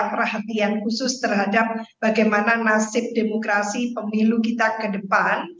perhatian khusus terhadap bagaimana nasib demokrasi pemilu kita ke depan